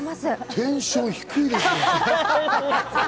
テンション低いですね。